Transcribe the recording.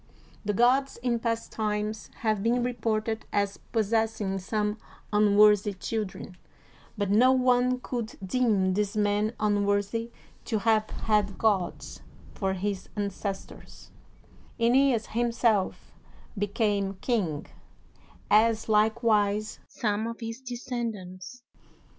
The gods in past times have been reported as possessing some unworthy children, but no one could deem this man unworthy to have had gods for his ancestors, ^neas himself became king, 202 MARK ANTONY as likewise some of his descendants.